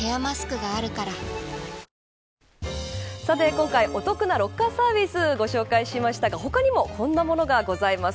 今回、お得なロッカーサービスをご紹介しましたが他にもこんなものがございます。